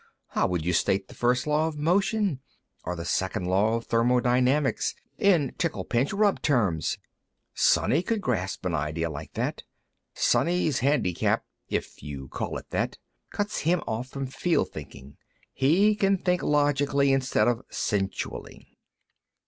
How would you state the First Law of Motion, or the Second Law of Thermodynamics, in tickle pinch rub terms? Sonny could grasp an idea like that. Sonny's handicap, if you call it that, cuts him off from feel thinking; he can think logically instead of sensually."